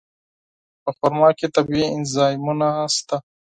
په خرما کې طبیعي انزایمونه شته.